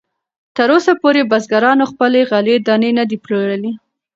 تراوسه پورې بزګرانو خپلې غلې دانې نه دي پلورلې.